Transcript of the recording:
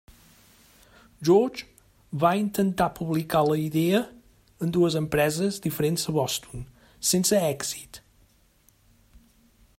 George va intentar publicar la idea en dues empreses diferents a Boston, sense èxit.